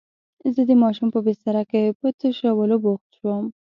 زه د ماشوم په بستره کې په تشولو بوخت شوم.